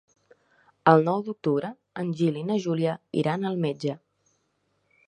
El nou d'octubre en Gil i na Júlia iran al metge.